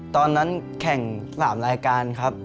ตอนนั้นแข่ง๓รายการครับ